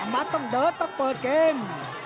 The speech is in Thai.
มันต้องเดินต้องเปิดเกม